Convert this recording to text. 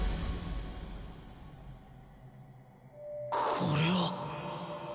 これは。